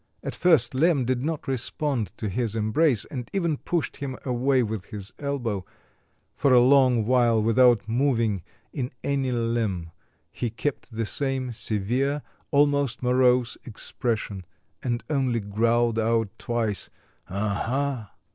At first Lemm did not respond to his embrace and even pushed him away with his elbow. For a long while without moving in any limb he kept the same severe, almost morose expression, and only growled out twice, "aha."